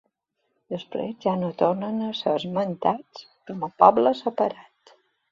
Després ja no tornen a ser esmentats com a poble separat.